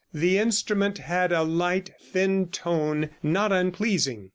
The instrument had a light, thin tone, not unpleasing.